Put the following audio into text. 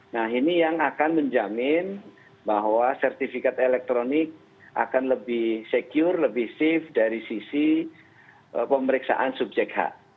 nah ini yang akan menjamin bahwa sertifikat elektronik akan lebih secure lebih safe dari sisi pemeriksaan subjek hak